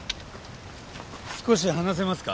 少し話せますか？